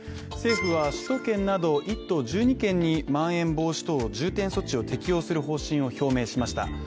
政府は首都圏など１等１２県にまん延防止等重点措置を適用する方針を表明しました。